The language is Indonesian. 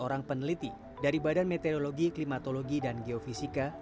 dua orang peneliti dari badan meteorologi klimatologi dan geofisika